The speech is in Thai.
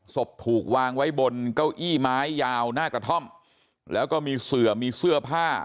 ถูกวางไว้บนเก้าอี้ไม้ยาวหน้ากระท่อมแล้วก็มีเสือมีเสื้อผ้า